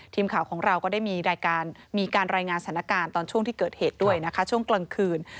ทีมข่าวของเราก็ได้มีการรายงานสถานการณ์ตอนช่วงที่เกิดเหตุด้วยนะคะช่วงกลางคืน